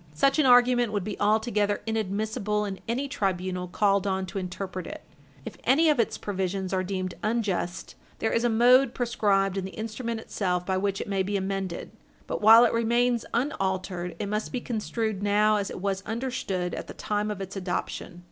Such an argument would be altogether inadmissible in any tribunal called on to interpret it. If any of its provisions are deemed unjust, there is a mode prescribed in the instrument itself by which it may be amended; but while it remains unaltered, it must be construed now as it was understood at the time of its adoption.